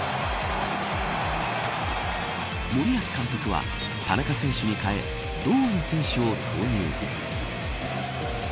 森保監督は田中選手に代え堂安選手を投入。